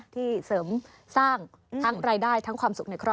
ที่เสริมสร้างทั้งรายได้ทั้งความสุขในครอบครัว